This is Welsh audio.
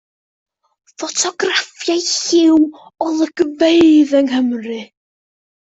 Ffotograffau lliw o olygfeydd yng Nghymru.